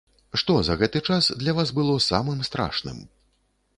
Што за гэты час для вас было самым страшным?